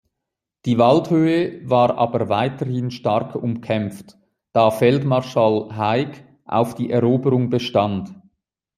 Die Waldhöhe war aber weiterhin stark umkämpft, da Feldmarschall Haig auf die Eroberung bestand.